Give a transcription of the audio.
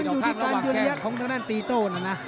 อยู่ที่การยืนยักษ์ของตรงนั้นตีโต้นะนะ